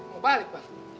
mau balik pak